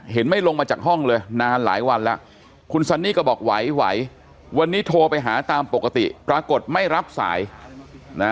ไม่ลงมาจากห้องเลยนานหลายวันแล้วคุณซันนี่ก็บอกไหววันนี้โทรไปหาตามปกติปรากฏไม่รับสายนะ